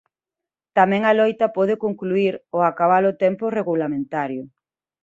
Tamén a loita pode concluír ao acabar o tempo regulamentario.